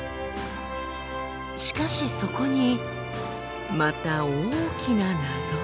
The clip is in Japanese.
しかしそこにまた大きな謎が。